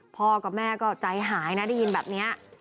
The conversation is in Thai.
พ่อกับแม่ก็ใจหายนะได้ยินแบบนี้